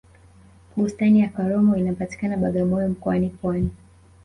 bustani ya karomo inapatikana bagamoyo mkoani pwani